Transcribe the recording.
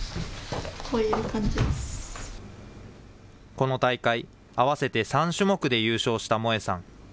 この大会、合わせて３種目で優勝した萌恵さん。